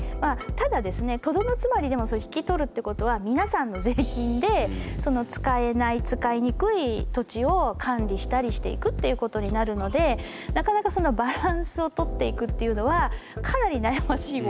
ただですねとどのつまり引き取るってことは皆さんの税金でその使えない使いにくい土地を管理したりしていくっていうことになるのでなかなかそのバランスを取っていくっていうのはかなり悩ましい問題。